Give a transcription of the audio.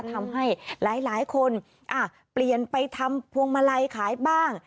ทำให้หลายคนเปลี่ยนไปทำพวงมาลัยขายบ้าง